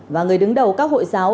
và người đứng đầu các hội giáo